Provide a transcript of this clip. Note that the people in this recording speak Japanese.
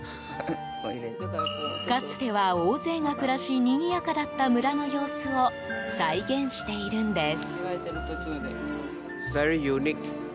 かつては、大勢が暮らしにぎやかだった村の様子を再現しているんです。